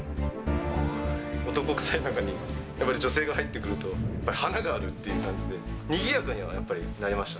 男臭い中に、やはり女性が入ってくると、華があるっていう感じで、にぎやかにはやっぱりなりました。